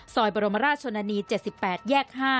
ซอยบรมราชชนนี๗๘แยก๕